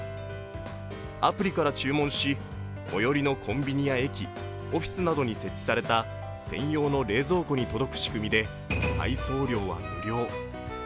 アプリから注文し最寄りのコンビニや駅オフィスなどに設置された専用の冷蔵庫に届く仕組みで配送料は無料。